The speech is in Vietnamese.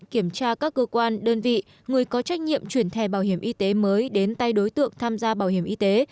kiểm tra các cơ quan đơn vị người có trách nhiệm chuyển thẻ bảo hiểm y tế mới đến tay đối tượng tham gia bảo hiểm y tế